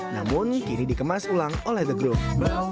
namun kini dikemas ulang oleh the group